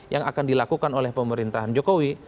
yang akan dilakukan oleh pemerintahan jokowi